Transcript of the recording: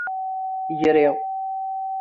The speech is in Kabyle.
Gri.